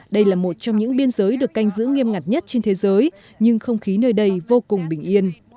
đây là một trong những biên giới được canh giữ nghiêm ngặt nhất trên thế giới nhưng không khí nơi đây vô cùng bình yên